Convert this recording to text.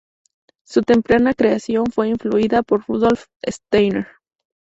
Su temprana creación fue influida por Rudolph Steiner.